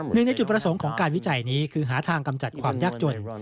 หนึ่งในจุดประสงค์ของการวิจัยนี้คือหาทางกำจัดความยากจน